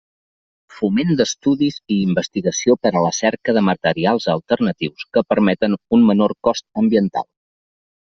Foment d'estudis i investigació per a la cerca de materials alternatius que permeten un menor cost ambiental.